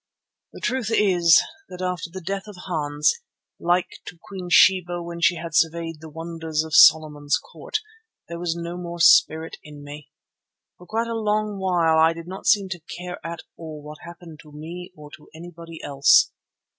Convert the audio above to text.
The truth is that after the death of Hans, like to Queen Sheba when she had surveyed the wonders of Solomon's court, there was no more spirit in me. For quite a long while I did not seem to care at all what happened to me or to anybody else.